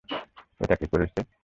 এটা কে করেছে?